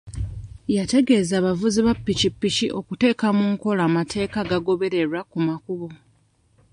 Yategeeza abavuzi ba pikipiki okuteeka mu nkola amateeka agagobererwa ku makubo.